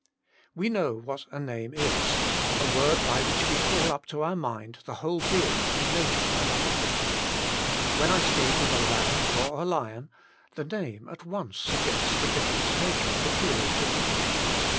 We know what a name is : a word by which we call up to our mind the whole being and nature of an object. When I speak of a lamb or a lion, the name at once suggests the different nature peculiar to each.